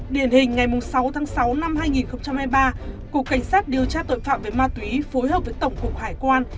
điển hình ngày sáu tháng sáu năm hai nghìn hai mươi ba cục cảnh sát điều tra tội phạm về ma túy phối hợp với tổng cục hải quan